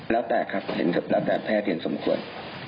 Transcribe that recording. แล้วแต่ครับเห็นครับหลักแต่แพร่เทียนสมควร